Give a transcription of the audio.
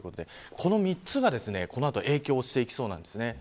この３つがこの後、影響してきそうです。